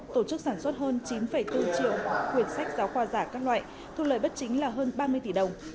tổ chức sản xuất hơn chín bốn triệu quyền sách giáo khoa giả các loại thu lời bất chính là hơn ba mươi tỷ đồng